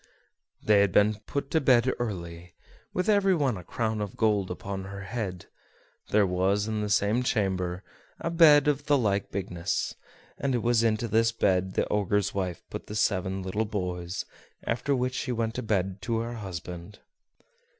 They had been put to bed early, with every one a crown of gold upon her head. There was in the same chamber a bed of the like bigness, and it was into this bed the Ogre's wife put the seven little boys, after which she went to bed to her husband.